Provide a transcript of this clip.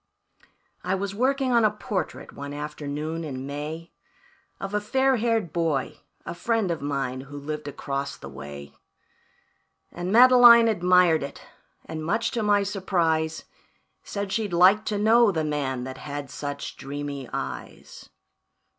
"I was working on a portrait, one afternoon in May, Of a fair haired boy, a friend of mine, who lived across the way. And Madeline admired it, and much to my surprise, Said she'd like to know the man that had such dreamy eyes.